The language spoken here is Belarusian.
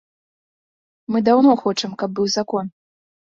Мы даўно хочам, каб быў закон.